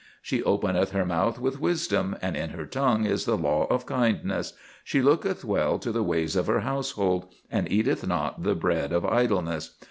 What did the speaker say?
She openeth her mouth with wisdom; and in her tongue is the law of kindness. She looketh well to the ways of her household, and eateth not the bread of idleness.